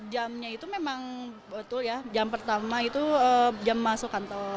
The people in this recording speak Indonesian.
jamnya itu memang betul ya jam pertama itu jam masuk kantor